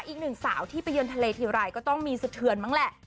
อีกหนึ่งสาวที่ไปเยินทะเลทีไรก็ต้องมีสะเทือนมั้งแหละ